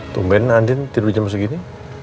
tungguin andien tidur jam segini